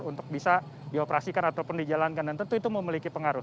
untuk bisa dioperasikan ataupun dijalankan dan tentu itu memiliki pengaruh